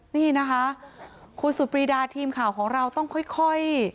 นี่นะคะคุณสุดปรีดาทีมข่าวของเราต้องค่อย